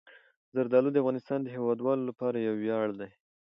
زردالو د افغانستان د هیوادوالو لپاره یو ویاړ دی.